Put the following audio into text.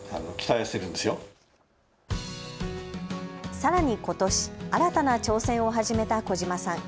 さらにことし新たな挑戦を始めた児嶋さん。